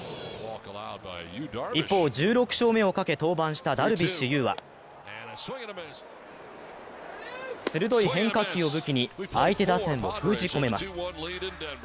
一方、１６勝目をかけ登板したダルビッシュ有は鋭い変化球を武器に相手打線を封じ込めます。